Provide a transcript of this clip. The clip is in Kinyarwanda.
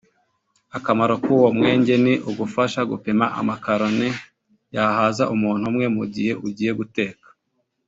Akamaro k’uwo mwenge ni ugufasha gupima amakaroni yahaza umuntu umwe mu gihe ugiye guteka